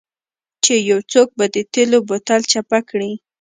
چې یو څوک به د تیلو بوتل چپه کړي